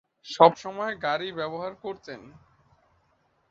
সবসময় গাড়ি ব্যবহার করতেন।